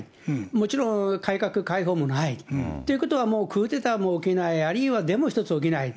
もちろん改革、開放もない、ということはもうクーデターも起きない、あるいはデモ１つ起きない。